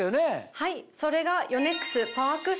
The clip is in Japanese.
はいそれが。